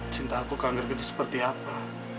cinta aku kanger gitu seperti apa